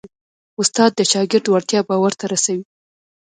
استاد د شاګرد وړتیا باور ته رسوي.